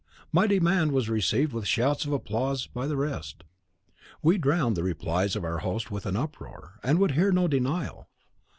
My demand was received with shouts of applause by the rest. We drowned the replies of our host with uproar, and would hear no denial.